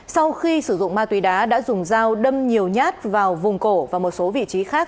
sau khi sử dụng ma túy đá đã dùng dao đâm nhiều nhát vào vùng cổ và một số vị trí khác